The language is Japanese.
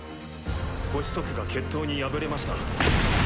ご子息が決闘に敗れました。